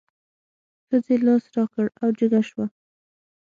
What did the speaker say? ښځې لاس را کړ او جګه شوه.